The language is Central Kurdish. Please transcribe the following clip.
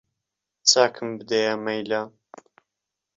چاکم بدەیە مەیلە